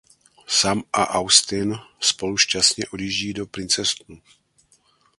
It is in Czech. Sam a Austin spolu šťastně odjíždí do Princetonu.